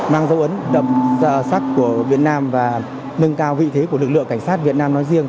mang dấu ấn đậm sắc của việt nam và nâng cao vị thế của lực lượng cảnh sát việt nam nói riêng